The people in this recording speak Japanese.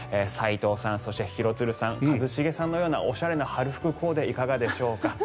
斎藤さん、そして廣津留さん一茂さんのようなおしゃれな春服コーデいかがでしょうか。